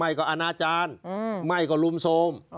ไม่ก็อนาจารย์ไม่ก็ลุมโทรม